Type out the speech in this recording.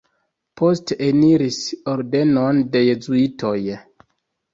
Poste eniris ordenon de jezuitoj.